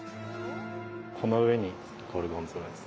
この上にゴルゴンゾーラです。